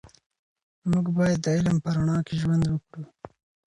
موږ باید د علم په رڼا کې ژوند وکړو.